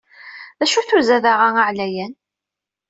D acu-t uzadaɣ-a aɛlayan?